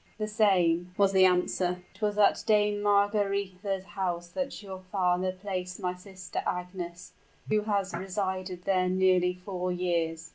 "The same," was the answer. "It was at Dame Margaretha's house that your father placed my sister Agnes, who has resided there nearly four years."